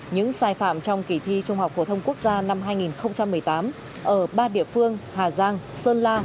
những sai phạm trong kỳ thi trung học phổ thông quốc gia năm hai nghìn một mươi tám ở ba địa phương hà giang sơn la